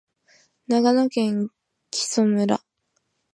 長野県木祖村